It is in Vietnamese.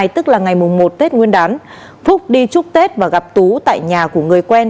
tức là ngày một tết nguyên đán phúc đi chúc tết và gặp tú tại nhà của người quen